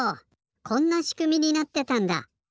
こんなしくみになってたんだ！